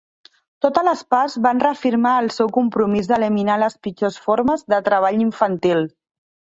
Totes les parts van reafirmar el seu compromís d'eliminar les pitjors formes de treball infantil.